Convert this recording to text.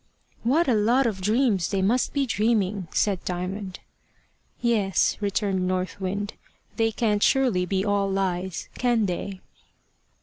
"What a lot of dreams they must be dreaming!" said Diamond. "Yes," returned North Wind. "They can't surely be all lies can they?"